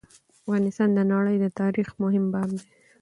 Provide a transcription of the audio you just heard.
افغانستان د نړی د تاریخ مهم باب دی.